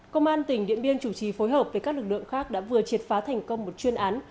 công an tỉnh điện biên chủ trì phối hợp với các lực lượng khác đã vừa triệt phá thành công một chuyên án